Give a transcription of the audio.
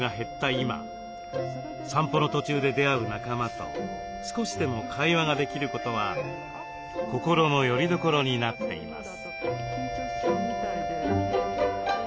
今散歩の途中で出会う仲間と少しでも会話ができることは心のよりどころになっています。